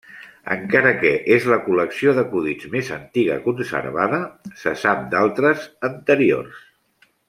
Encara que és la col·lecció d'acudits més antiga conservada, se sap d'altres anteriors.